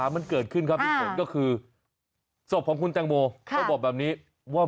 ยังงี้พอดูแล้วมันก็เกิดข้อสงสัยเหมือนกันว่า